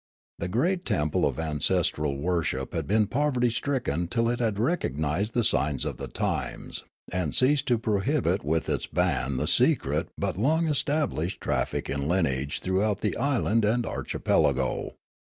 The great temple of ancestral worship had been povertj' stricken till it had recognised the signs of the times and ceased to prohibit with its ban the secret but long established traffic in lineage throughout the island and archipelago.